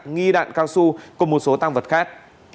nghi đạn cao su cùng một số tăng vật khác